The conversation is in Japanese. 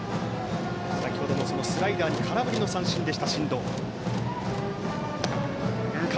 先程、スライダーに空振り三振でした進藤。